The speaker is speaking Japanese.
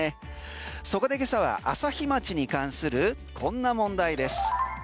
そこで今朝は朝日町に関するこんな問題です。